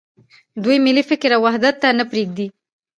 دوی ملي فکر او وحدت ته نه پرېږدي.